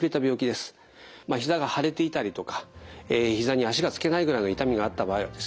ひざが腫れていたりとかひざに足が着けないぐらいの痛みがあった場合はですね